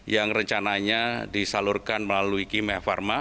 yang rencananya disalurkan melalui kimia pharma